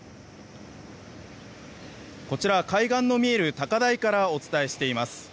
こちら、海岸の見える高台からお伝えしています。